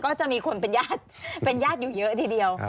ก็จะมีคนเป็นญาติอยู่เยอะทีเดียว